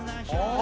あ！